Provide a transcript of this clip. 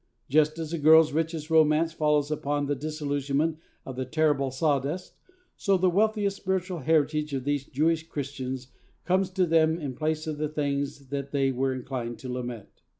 Just as a girl's richest romance follows upon the disillusionment of the terrible sawdust, so the wealthiest spiritual heritage of these Jewish Christians comes to them in place of the things that they were inclined to lament.